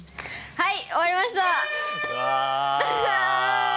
はい。